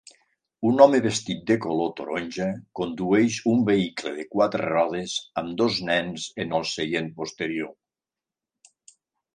Un home vestit de color taronja condueix un vehicle de quatre rodes amb dos nens en el seient posterior